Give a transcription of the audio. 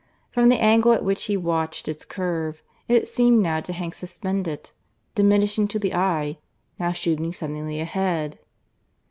From the angle at which he watched its curve, it seemed now to hang suspended, diminishing to the eye, now shooting suddenly ahead.